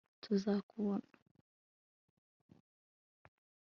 tuzakubona